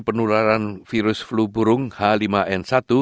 penularan virus flu burung h lima n satu